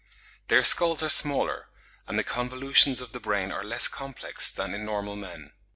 Their skulls are smaller, and the convolutions of the brain are less complex than in normal men.